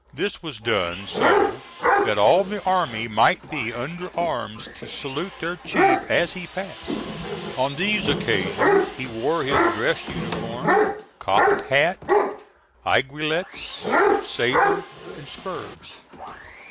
This was done so that all the army might be under arms to salute their chief as he passed. On these occasions he wore his dress uniform, cocked hat, aiguillettes, sabre and spurs.